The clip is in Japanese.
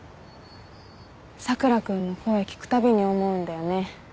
佐倉君の声聞くたびに思うんだよね。